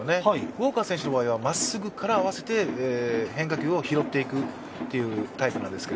ウォーカー選手はまっすぐから合わせて変化球を拾っていくタイプですが、